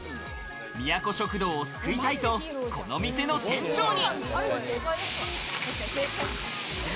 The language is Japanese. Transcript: みやこ食堂を救いたいと、この店の店長に。